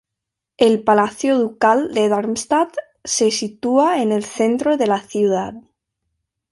El palacio ducal de Darmstadt se sitúa en el centro de la ciudad.